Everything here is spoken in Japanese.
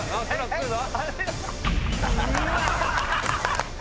くるぞ。